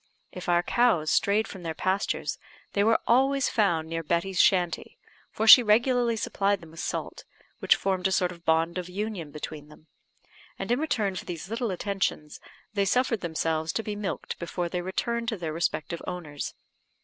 If our cows strayed from their pastures, they were always found near Betty's shanty, for she regularly supplied them with salt, which formed a sort of bond of union between them; and, in return for these little attentions, they suffered themselves to be milked before they returned to their respective owners.